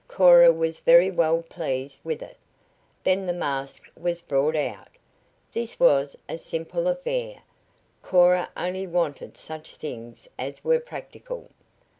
Cora was very well pleased with it. Then the mask was brought out. This was a simple affair Cora only wanted such things as were practical.